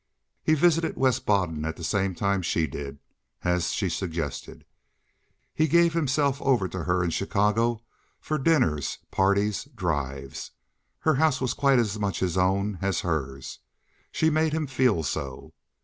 He visited West Baden at the same time she did, as she suggested. He gave himself over to her in Chicago for dinners, parties, drives. Her house was quite as much his own as hers—she made him feel so.